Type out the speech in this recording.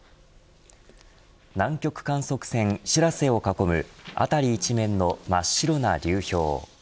南極観測船しらせを囲む辺り一面の真っ白な流氷。